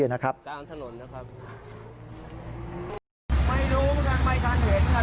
ไม่รู้ไม่การเห็นแต่รถมันโดน